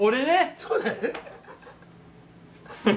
そうだよ！